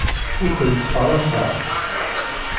Ur tent-ttfaraseɣ.